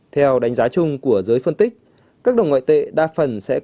theo đánh giá chung của giới phân tích các đồng ngoại tệ đa phần sẽ có trung tâm